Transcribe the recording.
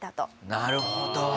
なるほど。